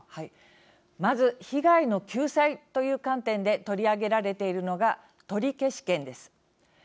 まず被害の救済という観点で取り上げられているのが取消権です。